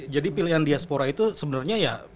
jadi pilihan diaspora itu sebenernya ya